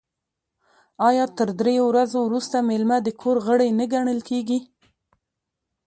آیا تر دریو ورځو وروسته میلمه د کور غړی نه ګڼل کیږي؟